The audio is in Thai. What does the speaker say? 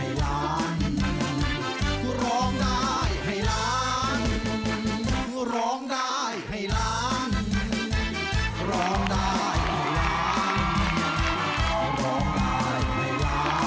สวัสดีครับ